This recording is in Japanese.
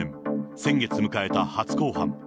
先月迎えた初公判。